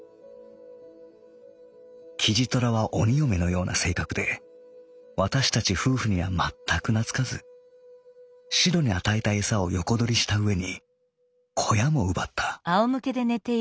キジトラは鬼嫁のような性格でわたしたち夫婦にはまったくなつかずしろに与えた餌を横どりしたうえに小屋も奪った」。